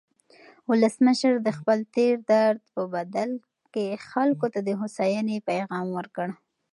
ولسمشر د خپل تېر درد په بدل کې خلکو ته د هوساینې پیغام ورکړ.